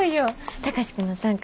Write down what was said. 貴司君の短歌